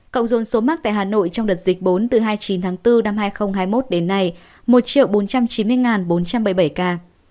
cộng dồn số mắc tại hà nội trong đợt dịch bốn từ hai mươi chín tháng bốn năm hai nghìn hai mươi một đến nay một bốn trăm chín mươi bốn trăm bảy mươi bảy ca